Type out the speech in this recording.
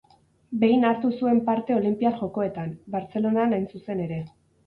Behin hartu zuen parte Olinpiar Jokoetan: Bartzelonan, hain zuzen ere.